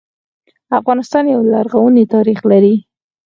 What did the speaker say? افغانستان يو لرغونی تاريخ لري